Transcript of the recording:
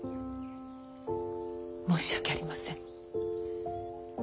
申し訳ありません。